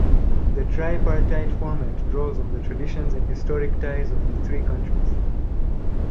The tripartite format draws on the traditions and historic ties of the three countries.